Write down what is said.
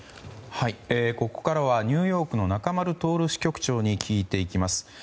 ここからはニューヨークの中丸徹支局長に聞いていきます。